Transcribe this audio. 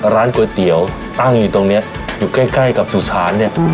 ร้านก๋วยเตี๋ยวตั้งอยู่ตรงเนี้ยอยู่ใกล้ใกล้กับสุสานเนี่ย